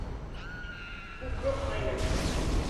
উগ্র হয় না।